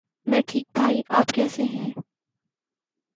میں ٹھیک بھائی آپ کیسے ہیں؟